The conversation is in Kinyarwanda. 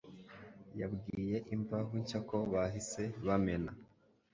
yabwiye Imvaho Nshya ko bahise bamena